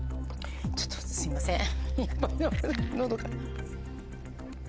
ちょっとすいません。